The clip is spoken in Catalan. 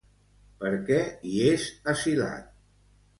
Per què hi és asilat?